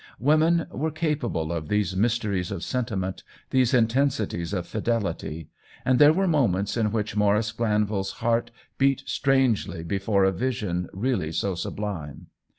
Women were capable of these mysteries of sentiment, these intensities of fidelity, and there were moments in which Maurice Glanvil's heart beat strangely be fore a vision really so sublime.